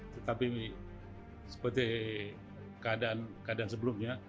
tetapi seperti keadaan sebelumnya